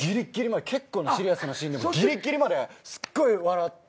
結構なシリアスなシーンでもぎりぎりまですっごい笑って。